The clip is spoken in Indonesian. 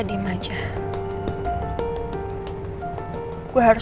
anda menjelaskan hal itu